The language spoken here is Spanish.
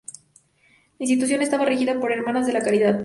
La institución estaba regida por Hermanas de la Caridad.